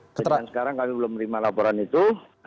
sampai sekarang kami belum menerima laporan itu